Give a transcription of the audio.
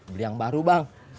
beli yang baru bang